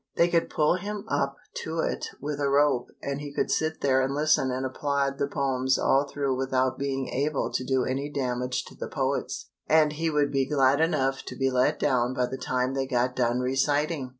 They could pull him up to it with a rope and he could sit there and listen and applaud the poems all through without being able to do any damage to the poets, and he would be glad enough to be let down by the time they got done reciting.